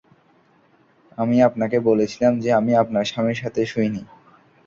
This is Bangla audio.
আমি আপনাকে বলেছিলাম যে, আমি আপনার স্বামীর সাথে শুইনি।